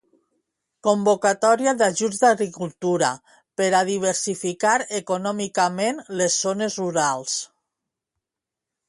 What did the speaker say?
Convocatòria d'ajuts d'Agricultura per a diversificar econòmicament les zones rurals.